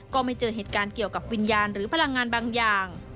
ก็ไม่เจอเหตุการณ์เกี่ยวกับวิญญาณหรือพลังงานบางอย่าง